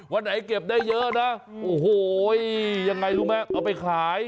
วันไหนเก็บได้เยอะนะโอ้โหยังไงรู้ไหมเอาไปขาย